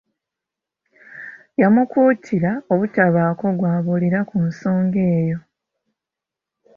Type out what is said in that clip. Yamukuutira obutabaako gw'abuulira ku nsonga eyo.